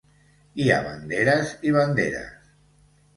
Hi ha banderes i banderes.